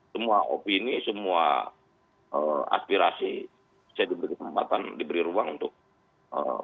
semua opini semua aspirasi bisa diberi tempatan diberi ruang untuk berkuara begitu loh